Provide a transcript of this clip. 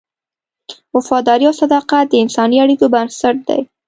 وفاداري او صداقت د انساني اړیکو بنسټ دی.